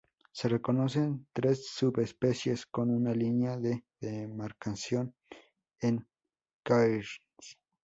Se reconocen tres subespecies con una línea de demarcación en Cairns.